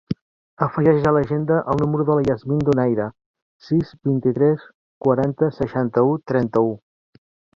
Afegeix a l'agenda el número de la Yasmin Donaire: sis, vint-i-tres, quaranta, seixanta-u, trenta-u.